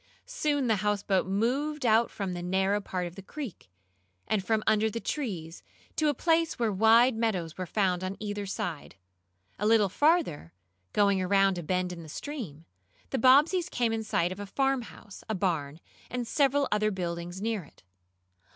Soon the houseboat moved out from the narrow part of the creek, and from under the trees, to a place where wide meadows were found on either side. A little farther, going around a bend in the stream, the Bobbseys came in sight of a farmhouse, a barn and several other buildings near it.